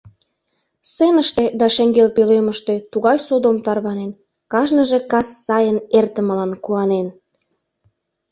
Сценыште да шеҥгел пӧлемыште тугай содом тарванен, кажныже кас сайын эртымылан куанен.